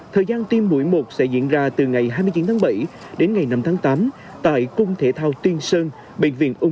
thời gian tiêm mũi một sẽ diễn ra từ ngày hai mươi chín tháng bảy đến ngày năm tháng tám tại cung thể thao tiên sơn bệnh viện úng bứu và bệnh viện đà nẵng